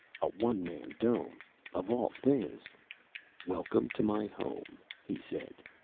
A one man Dome, of all things! "Welcome to my home," he said.